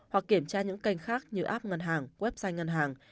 hoặc kiểm tra những kênh khác như app ngân hàng website ngân hàng